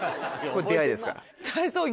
出会いですから。